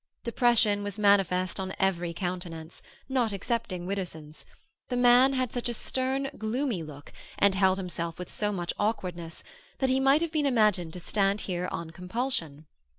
Depression was manifest on every countenance, not excepting Widdowson's; the man had such a stern, gloomy look, and held himself with so much awkwardness, that he might have been imagined to stand here on compulsion.